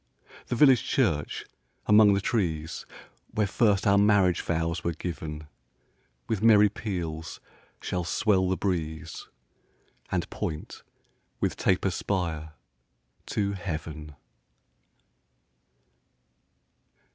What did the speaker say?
The village church, among the trees, Where first our marriage vows were giv'n, With merry peals shall swell the breeze, And point with taper spire to heav'n.